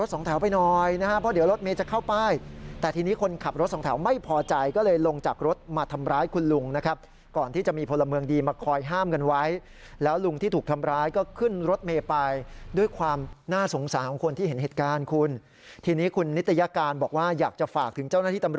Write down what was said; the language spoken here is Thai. ส่วนเพราะคะแม่ค้าระแวกนี้ก็เล่าให้ฟัง